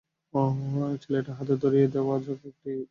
ছেলেটার হাতে ধরিয়ে দেওয়া যাক একটা ছোট্ট হালকা ঢিল।